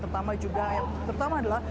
terutama juga yang terutama adalah